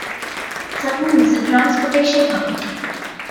Sutton was a transportation hub.